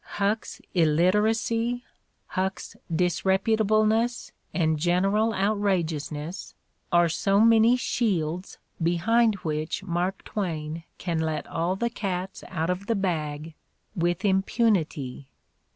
Huck's illiteracy, Huck's disreputableness and general outrageousness are so many shields behind which Mark Twain can let all the cats out of the bag with impunity.